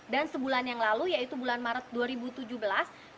dan sebulan yang lalu yaitu bulan maret dua ribu tujuh belas